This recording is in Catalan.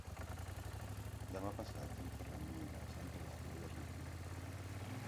Demà passat en Ferran anirà a Santa Eulàlia de Riuprimer.